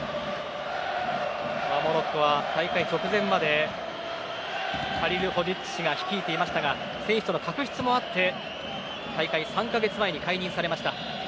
モロッコは大会直前までハリルホジッチ氏が率いていましたが選手との確執もあって大会３か月前に解任されました。